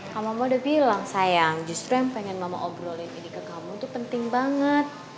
kamu mau udah bilang sayang justru yang pengen mama obrolin ini ke kamu itu penting banget